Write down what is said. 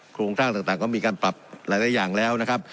โครงสร้างต่างก็มีการปรับหลายอย่างแล้วนะครับ